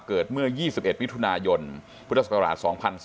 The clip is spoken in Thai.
เกิดเมื่อ๒๑มิถุนายนพุทธศักราช๒๔